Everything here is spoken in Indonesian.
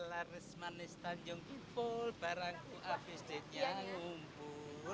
laris manis tanjung kipul barangku abis date nya ngumpul